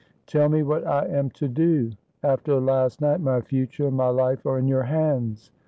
' Tell me what I am to do. After last night, my future, my life, are in your hands.